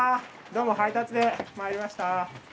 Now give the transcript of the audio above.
どうも配達で参りました。